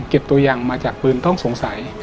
เก็บตัวอย่างมาจากปืนต้องสงสัย